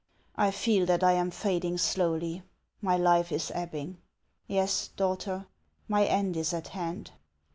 I feel that I am fading slowly ; my life is ebbing. Yes, daughter, my end is at hand."